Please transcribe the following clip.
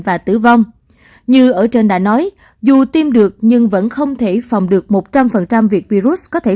và tử vong như ở trên đã nói dù tiêm được nhưng vẫn không thể phòng được một trăm linh việc virus có thể